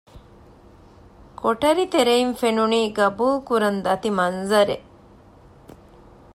ކޮޓަރި ތެރެއިން ފެނުނީ ގަބޫލު ކުރަން ދަތި މަންޒަރެއް